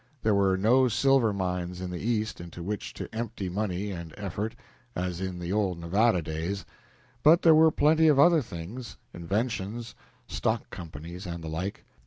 There were no silver mines in the East into which to empty money and effort, as in the old Nevada days, but there were plenty of other things inventions, stock companies, and the like.